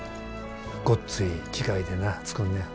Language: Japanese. ごっつい機械でな作んねや。